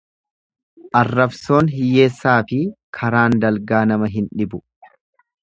Arrabsoon hiyyeessaafi karaan dalgaa nama hin dhibu.